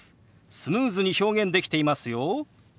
スムーズに表現できていますよ。